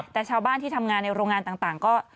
แต่ชาวบ้านที่ทำงานในโรงงานต่างก็